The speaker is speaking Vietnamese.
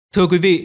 thưa quý vị